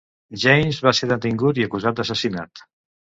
James va ser detingut i acusat d'assassinat.